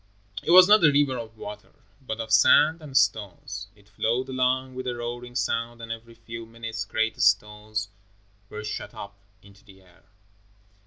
It was not a river of water, but of sand and stones. It flowed along with a roaring sound and every few minutes great stones were shot up into the air.